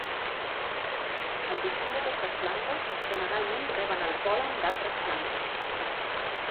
El pistil d'aquestes plantes generalment reben el pol·len d'altres plantes.